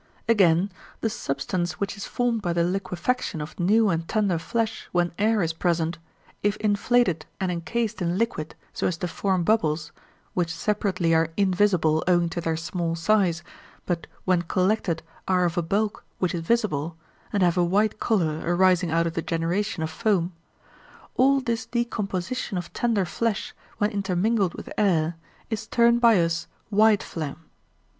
Again, the substance which is formed by the liquefaction of new and tender flesh when air is present, if inflated and encased in liquid so as to form bubbles, which separately are invisible owing to their small size, but when collected are of a bulk which is visible, and have a white colour arising out of the generation of foam—all this decomposition of tender flesh when intermingled with air is termed by us white phlegm.